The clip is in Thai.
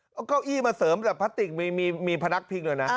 เก้าอี้มาเสริมแบบพลาสติกมีพลาสติก